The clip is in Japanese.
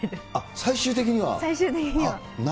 最終的には。